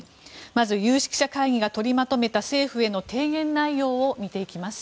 まず、有識者会議が取りまとめた政府への提言内容を見ていきます。